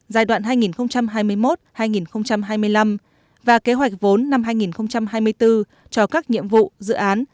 giai đoạn hai nghìn hai mươi một hai nghìn hai mươi năm và kế hoạch vốn năm hai nghìn hai mươi bốn cho các nhiệm vụ dự án